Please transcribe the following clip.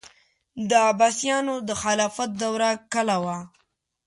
د عباسیانو د خلافت دوره کاله وه.